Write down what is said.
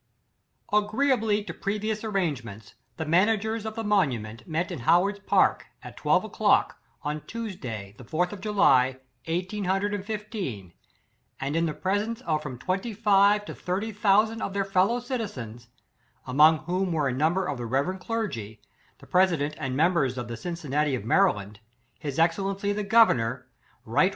Agreeably to previous arrangements, the managers of the monument met in Howard's Park, at twelve o'clock, on Teusday, the fourth of July, eighteen hun« dred and fifteen, and in the presence of from twenty five to thirty thousand of their fellow citizens; among whom were a number of the reverend clergy; the pre sident and members of the Cincinnati of Maryland, his excellency the governor R. w.